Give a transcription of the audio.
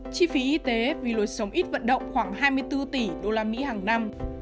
chi phí y tế vì lối sống ít vận động khoảng hai mươi bốn tỷ usd hàng năm